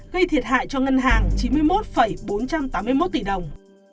gây thiệt hại cho ngân hàng chín mươi một bốn trăm tám mươi một tỷ đồng